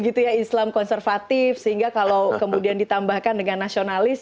islam konservatif sehingga kalau kemudian ditambahkan dengan nasionalis